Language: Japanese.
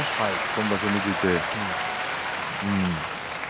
今場所を見ていて。